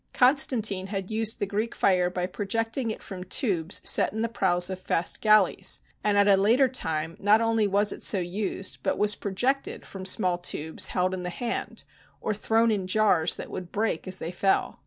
Constantine had used the Greek fire by projecting it from tubes set in the prows of fast galleys, and at a later time not only was it so used, but was projected from small tubes held in the hand or thrown in jars that would break as they fell.